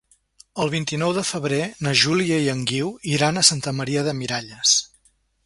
El vint-i-nou de febrer na Júlia i en Guiu iran a Santa Maria de Miralles.